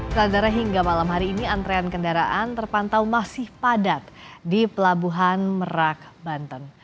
keladara hingga malam hari ini antrean kendaraan terpantau masih padat di pelabuhan merak banten